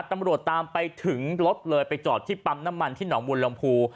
ตำรวจตามไปถึงรถเลยไปจอดที่ปั๊มน้ำมันที่หนองมูลลำพู